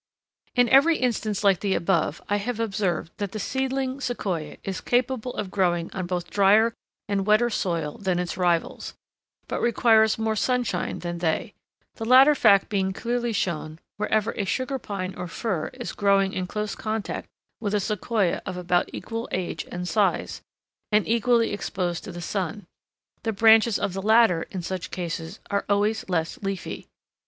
In every instance like the above I have observed that the seedling Sequoia is capable of growing on both drier and wetter soil than its rivals, but requires more sunshine than they; the latter fact being clearly shown wherever a Sugar Pine or fir is growing in close contact with a Sequoia of about equal age and size, and equally exposed to the sun; the branches of the latter in such cases are always less leafy.